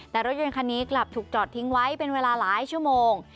แต่รถยนต์คันนี้กลับถูกจอดทิ้งไว้เป็นเวลาหลายชั่วโมง